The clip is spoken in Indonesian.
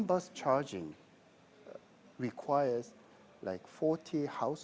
satu bus menyalurkan